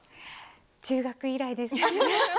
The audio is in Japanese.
中学以来です。